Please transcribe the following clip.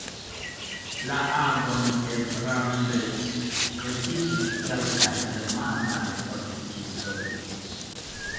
La agon de Brandt kritikis kelkaj germanaj politikistoj.